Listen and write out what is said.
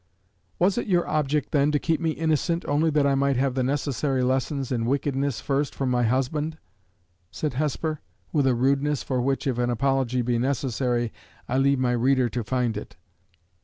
"Was it your object, then, to keep me innocent, only that I might have the necessary lessons in wickedness first from my husband?" said Hesper, with a rudeness for which, if an apology be necessary, I leave my reader to find it.